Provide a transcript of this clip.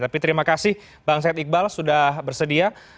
tapi terima kasih bang said iqbal sudah bersedia